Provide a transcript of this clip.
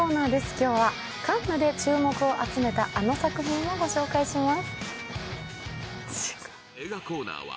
今日はカンヌで注目を集めた、あの作品をご紹介します。